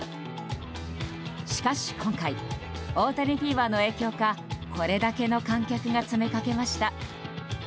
しかし、今回大谷フィーバーの影響かこれだけの観客が詰めかけました。